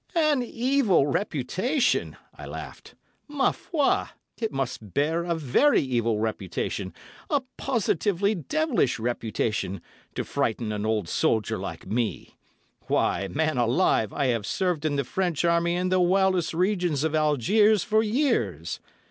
"'An evil reputation!' I laughed. 'Ma foi! it must bear a very evil reputation, a positively devilish reputation, to frighten an old soldier like me. Why, man alive, I have served in the French Army in the wildest regions of Algiers for years.